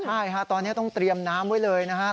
ใช่ฮะตอนนี้ต้องเตรียมน้ำไว้เลยนะครับ